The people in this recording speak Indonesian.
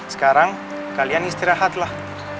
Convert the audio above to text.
sekarang kalian istirahatlah